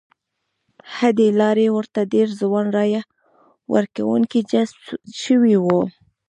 ه دې لارې ورته ډېر ځوان رایه ورکوونکي جذب شوي وو.